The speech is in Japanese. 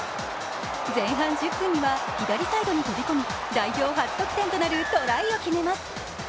前半１０分には左サイドに飛び込む代表初得点となるトライを決めます。